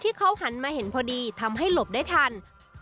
ที่ที่เขาหันมาเห็นพอดีทำให้หลบได้ทัน